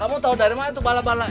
kamu tahu dari mana itu balak balak